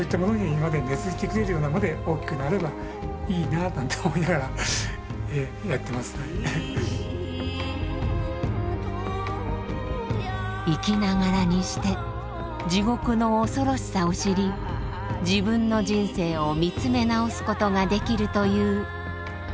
まあ昔は越中ですね生きながらにして地獄の恐ろしさを知り自分の人生を見つめ直すことができるという立山。